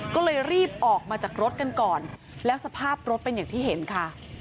ก็เลยรีบออกมาจากรถกันก่อนแล้วสภาพรถเป็นอย่างที่เห็นค่ะ